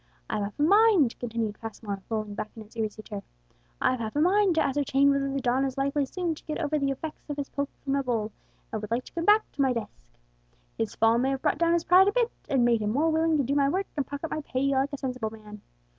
I've half a mind," continued Passmore, lolling back in his easy chair, "I've half a mind to ascertain whether the don is likely soon to get over the effects of his poke from the bull, and would like to come back to his desk. His fall may have brought down his pride a bit, and made him more willing to do my work and pocket my pay, like a sensible man.